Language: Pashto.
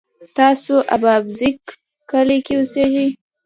تاسو اببازک کلي کی اوسیږئ؟